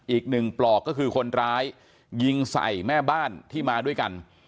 อีกหนึ่งปลอกก็คือคนร้ายยิงใส่แม่บ้านที่มาด้วยกัน